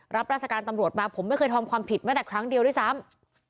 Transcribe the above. รับราชการตำรวจมาผมไม่เคยทำความผิดแม้แต่ครั้งเดียวด้วยซ้ำ